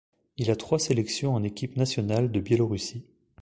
Il a trois sélections en équipe nationale de Biélorussie.